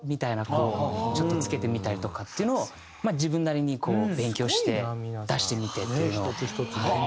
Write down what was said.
こうちょっとつけてみたりとかっていうのを自分なりに勉強して出してみてっていうのをはい。